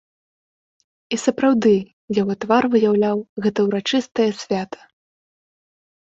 І сапраўды, яго твар выяўляў гэта ўрачыстае свята.